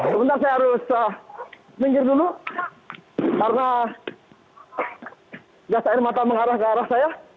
sebentar saya harus minggir dulu karena gas air mata mengarah ke arah saya